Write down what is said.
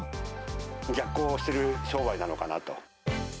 逆行してる商売なのかなと。